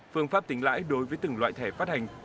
phương pháp tính lãi đối với từng loại thẻ phát hành